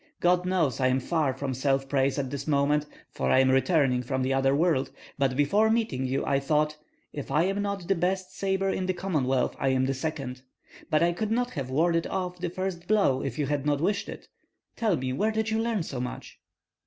God knows I am far from self praise at this moment, for I am returning from the other world; but before meeting you I thought, 'If I am not the best sabre in the Commonwealth, I am the second.' But I could not have warded off the first blow if you had not wished it. Tell me where did you learn so much?"